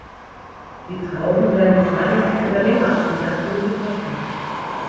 Die Trauben werden bis Weihnachten oder länger auf dem Dachboden getrocknet.